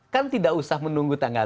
kan tidak usah menunggu tanggal tiga puluh